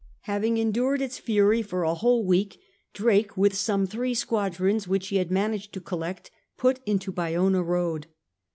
Having endured its fury for a whole week Drake, with some three squadrons which he had managed to collect^ put into Bayona road.